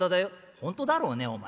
「本当だろうねお前。